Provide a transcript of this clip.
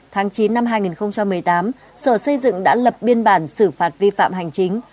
tháng chín năm hai nghìn một mươi tám sở xây dựng đã lập biên bản xử phạt vi phạm hành chính